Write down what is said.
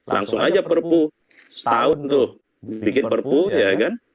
langsung aja perpu setahun tuh bikin perpu ya kan